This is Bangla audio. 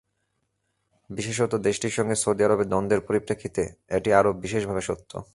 বিশেষত, দেশটির সঙ্গে সৌদি আরবের দ্বন্দ্বের পরিপ্রেক্ষিতে এটি আরও বিশেষভাবে সত্য।